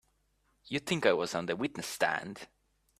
You'd think I was on the witness stand!